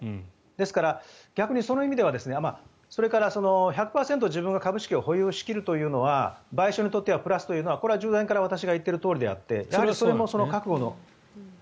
ですから、逆にその意味ではそれから１００％自分が株式を保有しきるというのは賠償にとってはプラスというのは従前から私が言っているとおりであってこれは覚悟の。